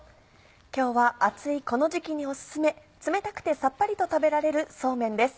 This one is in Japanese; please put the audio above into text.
今日は暑いこの時期にオススメ冷たくてサッパリと食べられるそうめんです。